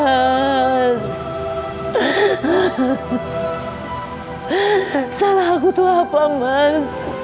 mas salah aku tuh apa mas